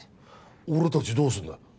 俺たちはどうすんだよ？